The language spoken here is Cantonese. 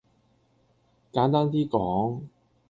簡單啲講